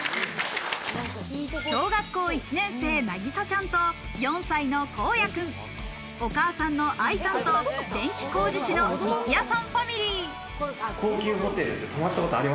小学校１年生・渚ちゃんと、４歳の昊也くん、お母さんの愛さんと電気工事士の力也さんファミリー。